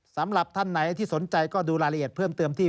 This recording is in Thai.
สำหรับท่านไหนที่สนใจก็ดูรายละเอียดเพิ่มเติมที่